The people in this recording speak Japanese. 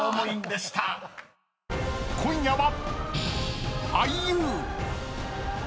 ［今夜は］